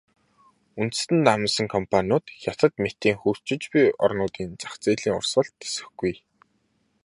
Үндэстэн дамнасан компаниуд Хятад мэтийн хөгжиж буй орнуудын зах зээлийн урсгалд тэсэхгүй.